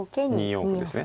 ２四歩ですね。